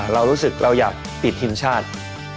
เรารู้สึกเราอยากติดทีมชาติ